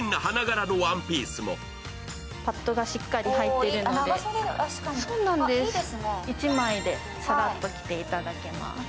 パットがしっかり入っているので、１枚でサラッと着ていただけます。